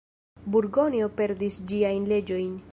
Burgonjo perdis ĝiajn leĝojn.